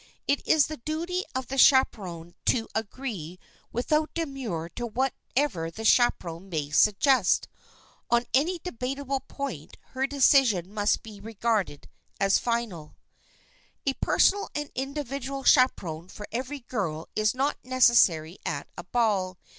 It is the duty of the chaperoned to agree without demur to whatever the chaperon may suggest. On any debatable point her decision must be regarded as final. [Sidenote: CHAPERONS AT A BALL] A personal and individual chaperon for every young girl is not necessary at a ball.